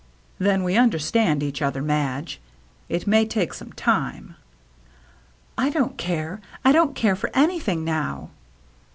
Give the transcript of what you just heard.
" Then we understand each other, Madge. It may take some time." " I don't care — I don't care for anything now."